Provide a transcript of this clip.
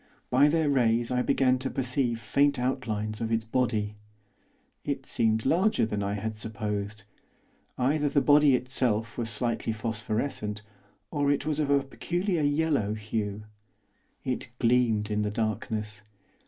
By their rays I began to perceive faint outlines of its body. It seemed larger than I had supposed. Either the body itself was slightly phosphorescent, or it was of a peculiar yellow hue. It gleamed in the darkness.